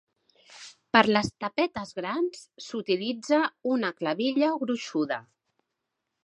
Per les tapetes grans, s'utilitza una clavilla gruixuda.